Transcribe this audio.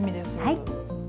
はい。